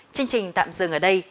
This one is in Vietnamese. chương trình tạm dừng ở đây